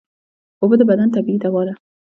اوبه د بدن طبیعي دوا ده